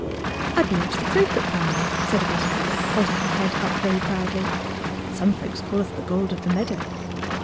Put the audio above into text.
^* I belong to the crowfoot family," said a buttercup, holding her head up very proudly. '' Some folks call us the gold of the meadow."